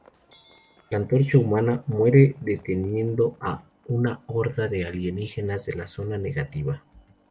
La Antorcha Humana muere deteniendo a una horda de alienígenas de la Zona Negativa.